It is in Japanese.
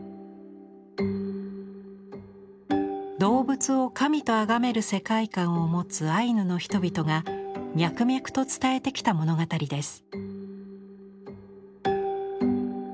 動物を神とあがめる世界観を持つアイヌの人々が脈々と伝えてきた物語です。